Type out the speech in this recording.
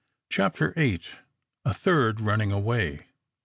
CHAPTER VIII. A THIRD RUNNING AWAY.